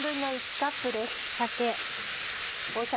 酒。